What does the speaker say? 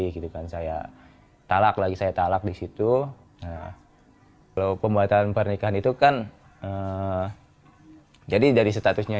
gitu kan saya talak lagi saya talak disitu kalau pembuatan pernikahan itu kan jadi dari statusnya